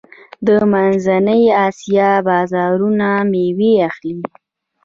د منځنۍ اسیا بازارونه میوې اخلي.